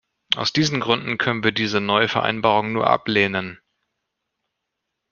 Aus diesen Gründen können wir diese neue Vereinbarung nur ablehnen.